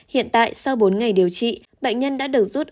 hiện tại sau bốn ngày điều trị bệnh nhân đã được rút